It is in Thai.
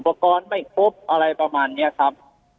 กรณ์ไม่ครบอะไรประมาณนี้ครับ